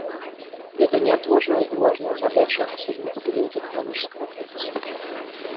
Это неотложная и важная задача, особенно в период экономического кризиса.